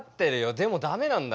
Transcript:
でも駄目なんだ。